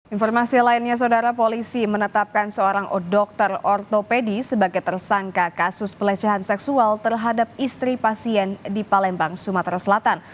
informasi lainnya saudara polisi menetapkan seorang dokter ortopedi sebagai tersangka kasus pelecehan seksual terhadap istri pasien di palembang sumatera selatan